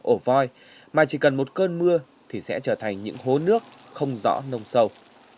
ổ voi mà chỉ cần một cơn mưa thì sẽ trở thành những hố nước không rõ nông sâu